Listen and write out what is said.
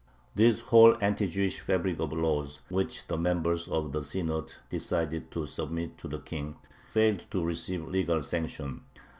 This whole anti Jewish fabric of laws, which the members of the Synod decided to submit to the King, failed to receive legal sanction.